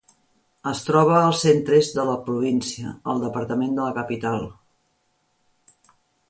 Es troba al centre-est de la província, al departament de la Capital.